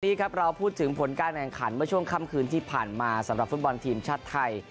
ครับเราพูดถึงผลการแข่งขันเมื่อช่วงค่ำคืนที่ผ่านมาสำหรับฟุตบอลทีมชาติไทย